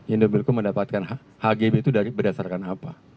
indobilco mendapatkan hgb itu berdasarkan apa